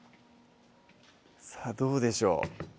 さぁどうでしょう